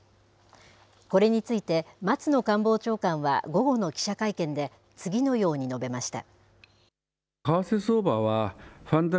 これについて、松野官房長官は午後の記者会見で次のように述べました。